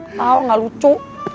gak tau gak lucu